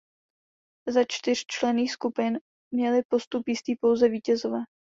Ze čtyřčlenných skupin měli postup jistý pouze vítězové.